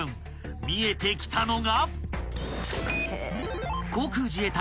［見えてきたのが］